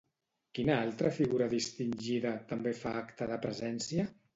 Quina altra figura distingida també fa acte de presència?